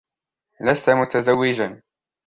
لست متزوجا.